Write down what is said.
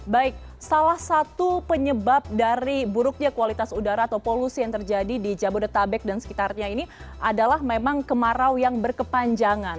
baik salah satu penyebab dari buruknya kualitas udara atau polusi yang terjadi di jabodetabek dan sekitarnya ini adalah memang kemarau yang berkepanjangan